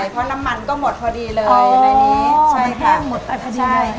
เพราะน้ำมันก็หมดพอดีเลยในนี้